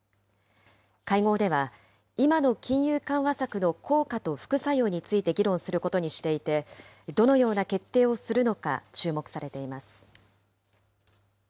会合では、今の金融緩和策の効果と副作用について議論することにしていて、どのような決定をするのか注目されています。